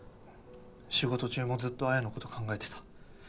仕事中もずっと彩のこと考えてた。